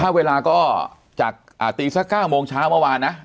ถ้าเวลาก็จากตีสัก๙โมงเช้าเมื่อวานนะ